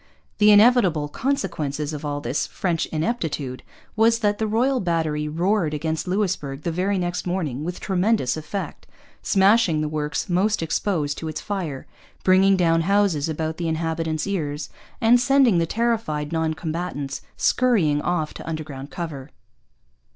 The inevitable consequence of all this French ineptitude was that the Royal Battery roared against Louisbourg the very next morning with tremendous effect, smashing the works most exposed to its fire, bringing down houses about the inhabitants' ears, and sending the terrified non combatants scurrying off to underground cover.